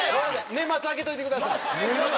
年末空けといてください。